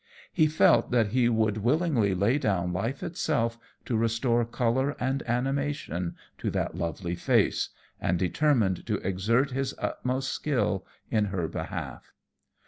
He felt that he would willingly lay down life itself to restore colour and animation to that lovely face, and determined to exert his utmost skill in her behalf.